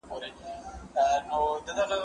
زه اوس د ښوونځی لپاره امادګي نيسم!!